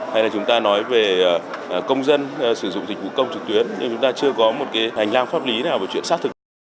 hay là chúng ta nói về công dân sử dụng dịch vụ công trực tuyến nhưng chúng ta chưa có một cái hành lang pháp lý nào một chuyện xác thực